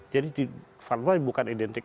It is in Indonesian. jadi fatwa bukan identik